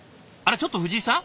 ちょっと藤井さん？